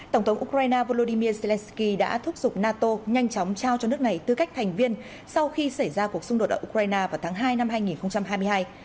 tổng thống ukraine volodymyr zelensky đã thúc giục nato nhanh chóng trao cho nước này tư cách thành viên sau khi xảy ra cuộc xung đột ở ukraine vào tháng hai năm hai nghìn hai mươi hai